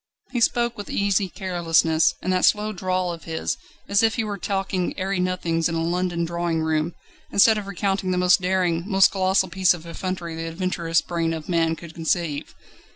He spoke with easy carelessness, and that slow drawl of his, as if he were talking airy nothings in a London drawing room, instead of recounting the most daring, most colossal piece of effrontery the adventurous brain of man could conceive.